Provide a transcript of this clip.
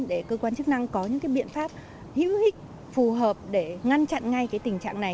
để cơ quan chức năng có những biện pháp hữu hích phù hợp để ngăn chặn ngay tình trạng này